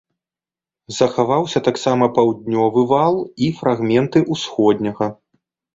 Захаваўся таксама паўднёвы вал і фрагменты ўсходняга.